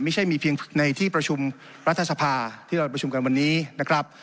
ไม่ใช่มีเพียงในที่ประชุมรัฐสภาที่เราประชุมกันวันนี้นะครับ